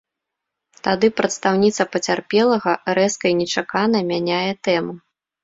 Тады прадстаўніца пацярпелага рэзка і нечакана мяняе тэму.